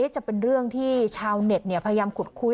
จะเป็นเรื่องที่ชาวเน็ตพยายามขุดคุย